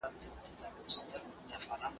پښتانه د دري ژبي له زدهکړي سره نه يوازي دا چي